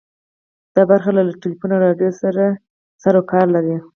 دا برخه له ټلیفون او راډیو سره سروکار لري.